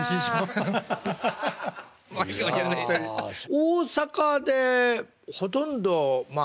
大阪でほとんどまあ